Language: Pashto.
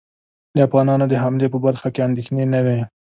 د افغانانو د حملې په برخه کې اندېښنې نه وې.